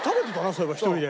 そういえば１人で。